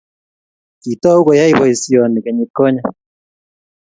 kitou koyai boisioni kenyitkonye